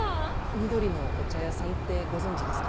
「緑のお茶屋さん」ってご存じですか？